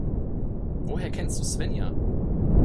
Woher kennst du Svenja?